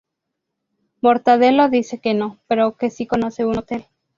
Mortadelo dice que no, pero que sí conoce un hotel.